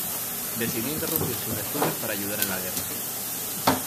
Decidió interrumpir sus estudios para ayudar en la guerra.